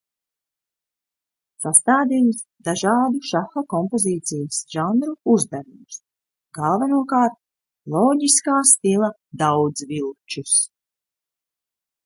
Sastādījis dažādu šaha kompozīcijas žanru uzdevumus, galvenokārt loģiskā stila daudzvilčus.